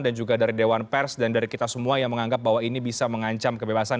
dan juga dari dewan pers dan dari kita semua yang menganggap bahwa ini bisa mengancam kebebasan